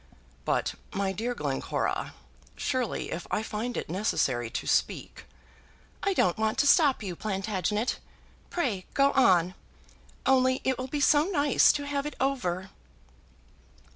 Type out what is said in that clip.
"But, my dear Glencora, surely if I find it necessary to speak " "I don't want to stop you, Plantagenet. Pray, go on. Only it will be so nice to have it over."